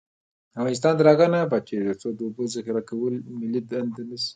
افغانستان تر هغو نه ابادیږي، ترڅو د اوبو ذخیره کول ملي دنده نشي.